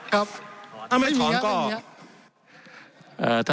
ครับทำไอ้เหมียะทำไอ้เหมียะ